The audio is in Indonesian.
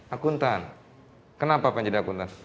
akuntan kenapa pengen jadi akuntan